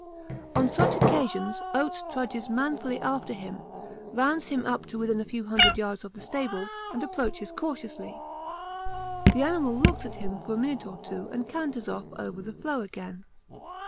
On such occasions Oates trudges manfully after him, rounds him up to within a few hundred yards of the stable and approaches cautiously; the animal looks at him for a minute or two and canters off over the floe again.